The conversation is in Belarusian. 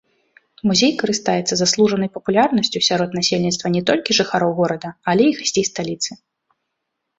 Музей карыстаецца заслужанай папулярнасцю сярод насельніцтва не толькі жыхароў горада, але і гасцей сталіцы.